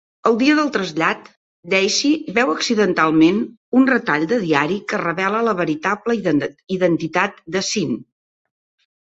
El dia dle trasllat, Daisy veu accidentalment un retall de diari que revela la veritable identitat de Sean.